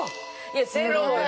いやゼロ。